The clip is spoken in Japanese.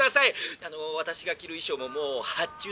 あの私が着る衣装ももう発注済みでして」。